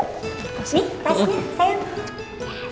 sampai jumpa sayang